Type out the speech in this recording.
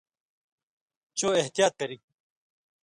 چو احتیاط کرِگ